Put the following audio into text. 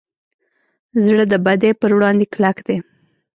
زړه د بدۍ پر وړاندې کلک دی.